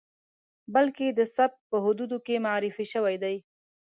بلکې د سبک په حدودو کې معرفي شوی دی.